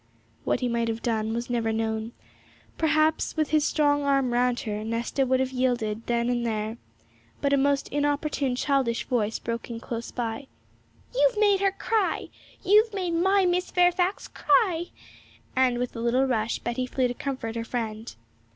What he might have done was never known; perhaps, with his strong arm round her, Nesta would have yielded then and there; but a most inopportune childish voice broke in close by. 'You've made her cry! You've made my Miss Fairfax cry!' And with a little rush Betty flew to comfort her friend.